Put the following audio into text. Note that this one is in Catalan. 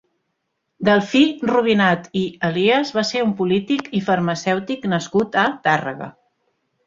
Delfí Robinat i Elías va ser un polític i farmacèutic nascut a Tàrrega.